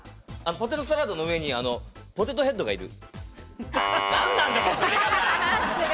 ポテトサラダの上にポテトヘッドがいる。